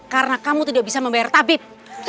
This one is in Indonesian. karena kamu tidak bisa membayar tabib